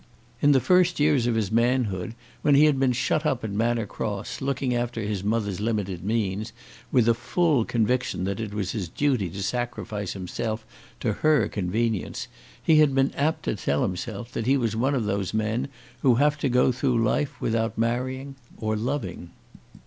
In the first years of his manhood, when he had been shut up at Manor Cross, looking after his mother's limited means, with a full conviction that it was his duty to sacrifice himself to her convenience, he had been apt to tell himself that he was one of those men who have to go through life without marrying or loving.